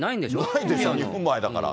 ないでしょ、２分前だから。